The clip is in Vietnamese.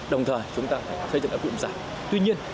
đồng thời chúng ta phải xây dựng các cụm giảm